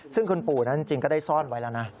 ซึ่งคุณปู่นั้นจริงก็ได้ซ่อนไว้แล้วนะ